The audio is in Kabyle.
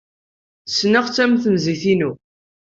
Ssneɣ-t am temzit-inu.